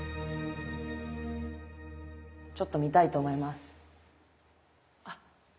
ちょっと見たいと思います。